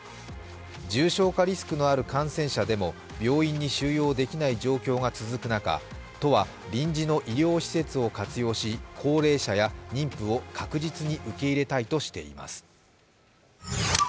重症化リスクのある感染者でも病院に収容できない状況が続く中都は、臨時の医療施設を活用し高齢者や妊婦を確実に受け入れたいとしています。